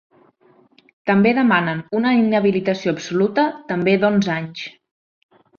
També demanen una inhabilitació absoluta també d’onze anys.